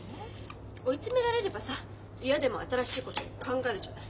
追い詰められればさ嫌でも新しいこと考えるじゃない。